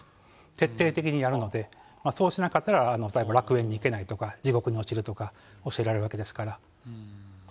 徹底的にやるので、そうしなかったら、楽園に行けないとか、地獄に落ちるとか、教えられるわけですから。